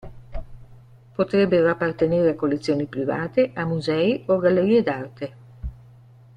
Potrebbero appartenere a collezioni private, a musei o gallerie d'arte.